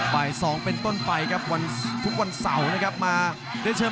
บ่าย๒เป็นต้นปลายทุกวันเสาร์ชื่อมดี้สตูดิโอฟรี